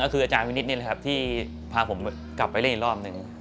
ก็คืออาจารย์พินิศนี่ที่พาผมไปเล่นอีกรอบนึง